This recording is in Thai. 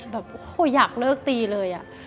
แบบโอ้โหอยากเลิกตีเลยอะ